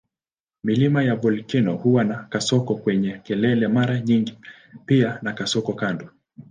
Milima ya volkeno huwa na kasoko kwenye kelele mara nyingi pia na kasoko kando.